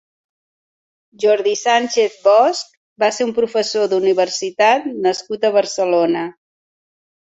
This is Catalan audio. Jordi Sánchez Bosch va ser un professor d'universitat nascut a Barcelona.